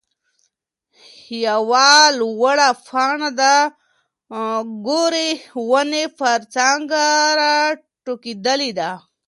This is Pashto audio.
يوه لوړه پاڼه د ګورې ونې پر څانګه راټوکېدلې ده.